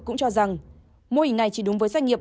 cũng cho rằng mô hình này chỉ đúng với doanh nghiệp